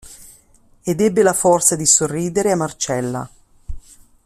Ed ebbe la forza di sorridere a Marcella.